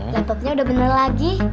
laptopnya udah bener lagi